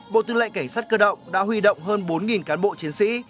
bộ tư lệnh cảnh sát cơ động đã huy động hơn bốn cán bộ chiến sĩ